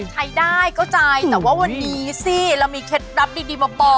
ใช้ได้เข้าใจแต่ว่าวันนี้สิเรามีเคล็ดลับดีมาบอก